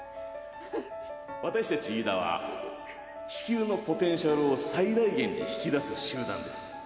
私たちイイダは地球のポテンシャルを最大限に引き出す集団です。